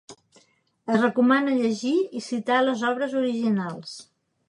Es recomana llegir i citar les obres originals.